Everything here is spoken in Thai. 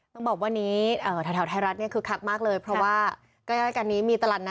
มีไทยไทยรัฐนี้คือคักมากเลยเพราะว่าก็ยังให้การนี้มีตลาดนะ